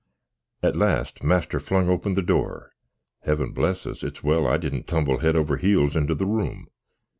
At last, master flung open the door (Heavn bless us! it's well I didn't tumble hed over eels, into the room!)